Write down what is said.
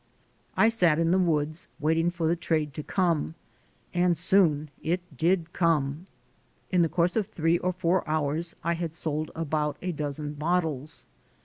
I sat in the woods waiting for the trade to come, and soon it did come. In the course of three or four hours I had sold about a dozen bottles.